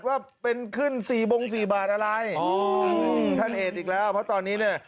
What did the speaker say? ว่าเป็นขึ้นสี่บงสี่บาทอะไรอืมท่านเห็นอีกแล้วเพราะตอนนี้เนี่ย